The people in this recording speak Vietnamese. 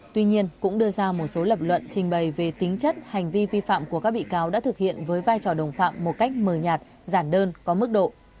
tuy nhiên cũng đưa ra một số lập luận trình bày về tính chất hành vi vi phạm của các bị cáo đã thực hiện với vai trò đồng phạm một cách mờ nhạt giản đơn có mức độ